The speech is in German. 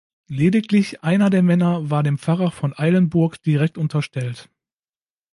Lediglich einer der Männer war dem Pfarrer von Eilenburg direkt unterstellt.